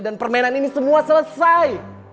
dan permainan ini semua selesai